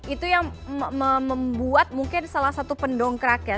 itu yang membuat mungkin salah satu pendongkrak ya